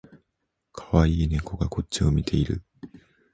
かわいい猫がこっちを見ている